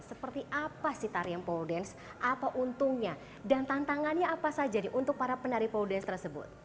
seperti apa sih tarian pole dance apa untungnya dan tantangannya apa saja untuk para penari pole dance tersebut